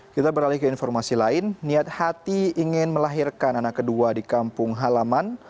kita beralih ke informasi lain niat hati ingin melahirkan anak kedua di kampung halaman